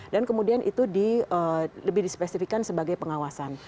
dan kemudian itu lebih dispesifikan sebagai pengawasan